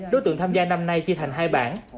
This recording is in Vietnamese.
đối tượng tham gia năm nay chia thành hai bảng